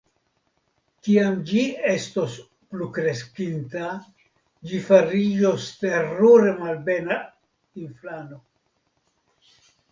Kiam ĝi estos plukreskinta ĝi fariĝos terure malbela infano.